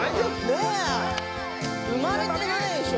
ねえ生まれてないでしょ